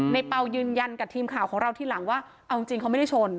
เปล่ายืนยันกับทีมข่าวของเราทีหลังว่าเอาจริงเขาไม่ได้ชน